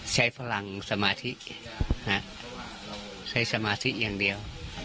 ใช้พลังสมาธิใช้สมาธิอย่างเดียว